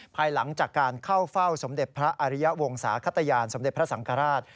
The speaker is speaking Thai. ภายหลังจากการเข้าเฝ้าสมเด็จพระอริยวงศาขตยานสมเด็จพระสังฆราช